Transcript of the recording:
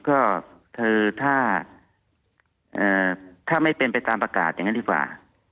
ก็คือถ้าไม่เป็นไปตามประกาศอย่างนั้นดีกว่า